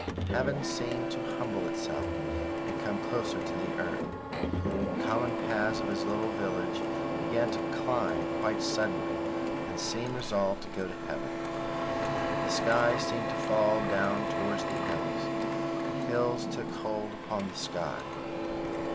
Heaven seemed to humble itself and come closer to the earth. The common paths of his little village began to climb quite suddenly and seemed resolved to go to heaven. The sky seemed to fall down towards the hills; the hills took hold upon the sky.